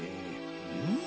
うん？